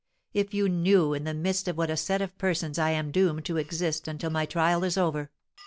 If you knew in the midst of what a set of persons I am doomed to exist until my trial is over!